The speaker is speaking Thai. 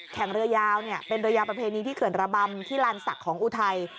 แข่งเรือยาวเป็นเรือยาวประเพณีที่เขื่อนระบำที่ลานศักดิ์ของอุทัย